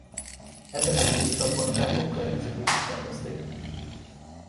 Ebben az időszakban a templom környezetét is rendezték.